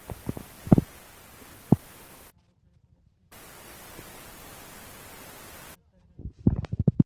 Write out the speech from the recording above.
Tomēr Čehijas Republikā audzētais un ražotais vīns arī tiek tajā patērēts.